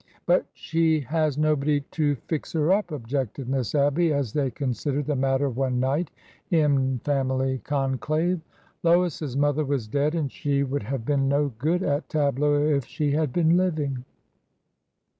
But she has nobody to fix her up," objected Miss Abby, as they considered the matter one night in family 128 ORDER NO. 11 conclave. Lois's mother was dead, and she would have been no good at tableaux if she had been living.